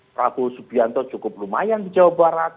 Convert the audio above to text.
prabowo subianto cukup lumayan di jawa barat